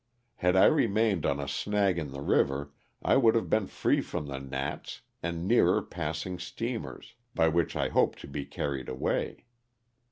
Had I remained on a snag in the river I would have been free from the gnats and nearer passing steamers, by which I hoped to be carried away.